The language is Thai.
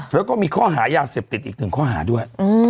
แล้วก็มีข้อหายาเสพติดอีกหนึ่งข้อหาด้วย